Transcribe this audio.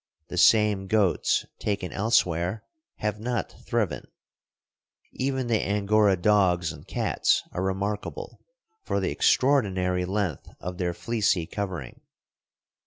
The same goats taken elsewhere have not thriven. Even the Angora dogs and cats are remarkable for the extraordinary length of their fleecy covering.